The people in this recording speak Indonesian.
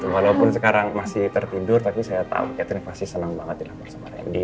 walaupun sekarang masih tertidur tapi saya tahu catherine pasti senang banget di lapor sama rendy